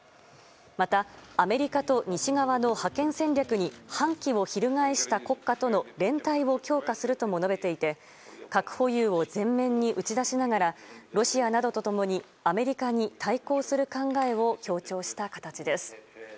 またアメリカと西側の覇権戦略に反旗を翻した国家との連帯を強化するとも述べていて核保有を前面に打ち出しながらロシアなどと共にアメリカに対抗する考えを強調した形です。